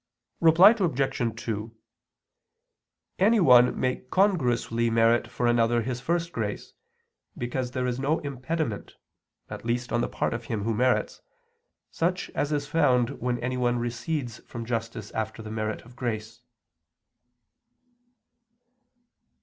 Reply Obj. 2: Anyone may congruously merit for another his first grace, because there is no impediment (at least, on the part of him who merits), such as is found when anyone recedes from justice after the merit of grace.